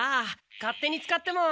勝手に使っても。